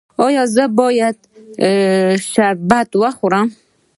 ایا زه باید شبت وخورم؟